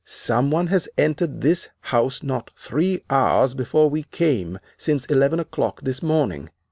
Some one has entered this house not three hours before we came, since eleven o'clock this morning.